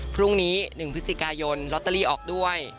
พรุ่งนี้๑พฤศจิกายนลอตเตอรี่ออกด้วย